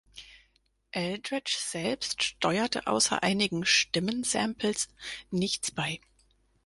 Eldritch selbst steuerte außer einiger Stimmen-Samples nichts bei.